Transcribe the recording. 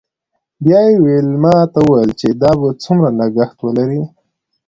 بیا یې ویلما ته وویل چې دا به څومره لګښت ولري